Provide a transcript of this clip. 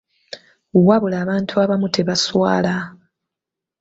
Wabula abantu abamu tebaswala!